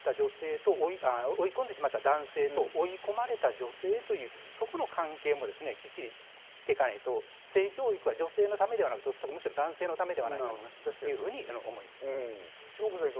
追い込んでしまった女性、追い込んでしまった男性と追い込まれた女性という関係もきっちりしていかないと性教育は女性のためではなく、むしろ男性のためではないかと思います。